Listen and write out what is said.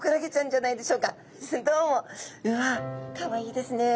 うわっかわいいですね。